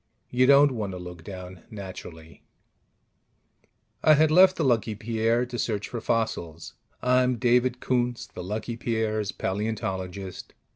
You don't want to look down, naturally. I had left the Lucky Pierre to search for fossils (I'm David Koontz, the Lucky Pierre's paleontologist).